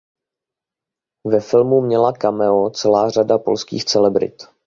Ve filmu měla cameo celá řada polských celebrit.